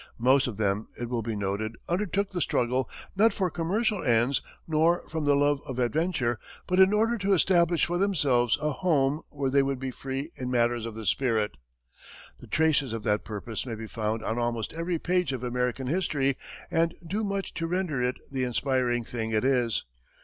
Most of them, it will be noted, undertook the struggle not for commercial ends nor from the love of adventure, but in order to establish for themselves a home where they would be free in matters of the spirit. The traces of that purpose may be found on almost every page of American history and do much to render it the inspiring thing it is.